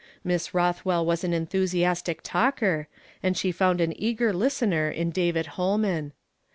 Miss llothwell was an enthusiastic talker, and she found an eager listener in David Ifolnian.